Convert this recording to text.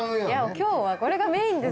今日はこれがメインですから。